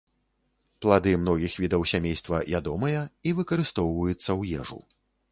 Плады многіх відаў сямейства ядомыя і выкарыстоўваюцца ў ежу.